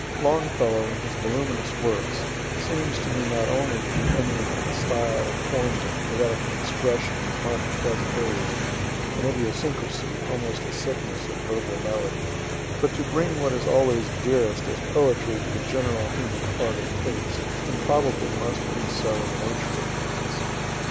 Longfellow in his voluminous works seems to me not only to be eminent in the style and forms of poetical expression that mark the present age, (an idiosyncrasy, almost a sickness, of verbal melody,) but to bring what is always dearest as poetry to the general human heart and taste, and probably must be so in the nature of things.